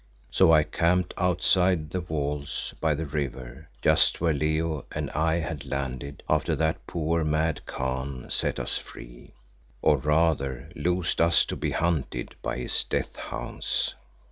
So I camped outside the walls by the river just where Leo and I had landed after that poor mad Khan set us free, or rather loosed us to be hunted by his death hounds.